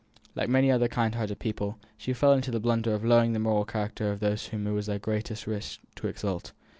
Like many other kind hearted people, she fell into the blunder of lowering the moral character of those whom it is their greatest wish to exalt.